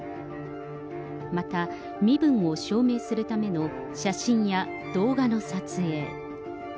また身分を証明するための写真や動画の撮影。